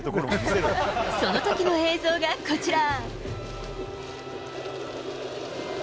そのときの映像がこちら。